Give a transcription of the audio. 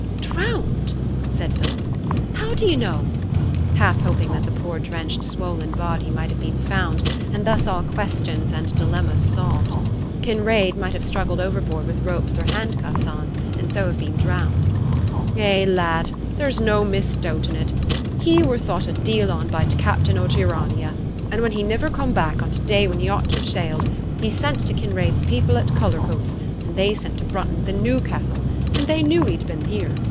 'Drowned!' said Philip. 'How do yo' know?' half hoping that the poor drenched swollen body might have been found, and thus all questions and dilemmas solved. Kinraid might have struggled overboard with ropes or handcuffs on, and so have been drowned. 'Eh, lad! there's no misdoubtin' it. He were thought a deal on by t' captain o' t' Urania; and when he niver come back on t' day when she ought for to have sailed, he sent to Kinraid's people at Cullercoats, and they sent to Brunton's i' Newcassel, and they knew he'd been here.